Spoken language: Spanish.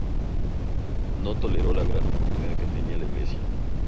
No toleró la gran autoridad que tenía la Iglesia.